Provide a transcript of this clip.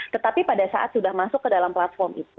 tetapi pada saat sudah masuk ke dalam platform itu